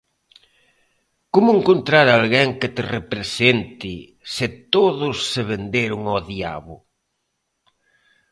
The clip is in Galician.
Como encontrar alguén que te represente, se todos se venderon ao diabo?